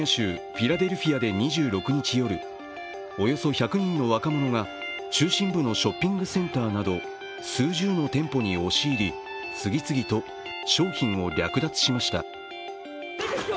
フィラデルフィアで２６日夜、およそ１００人の若者が中心部のショッピングセンターなど数十の店舗に押し入り、次々と商品を略奪しました。